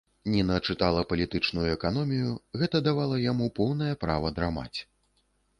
Ніна чытала палітычную эканомію, гэта давала яму поўнае права драмаць.